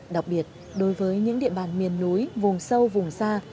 đặc biệt đối với những địa bàn miền núi vùng sâu vùng xa